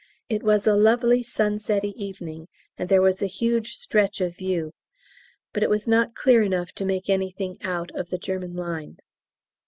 It was a lovely sunsetty evening, and there was a huge stretch of view, but it was not clear enough to make anything out of the German line.